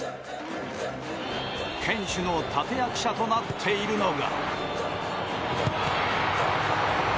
堅守の立役者となっているのが。